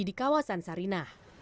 di kawasan sarinah